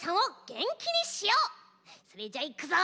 それじゃあいくぞ！